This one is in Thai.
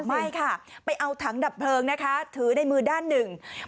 ไม่ค่ะไปเอาถังดับเพลิงนะคะถือในมือด้านหนึ่ง